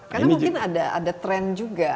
karena mungkin ada tren juga